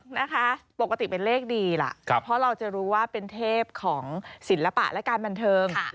นะคะปกติเป็นเลขดีล่ะเพราะเราจะรู้ว่าเป็นเทพของศิลปะและการบันเทิง